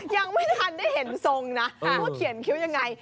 ยังไม่ทันได้เห็นทรงนะว่าเขียนคิ้วยังไง